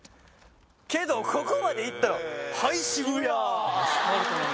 けどここまで行ったら。